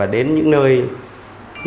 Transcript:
đến những nơi sang chảnh